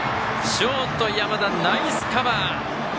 ショートの山田、ナイスカバー。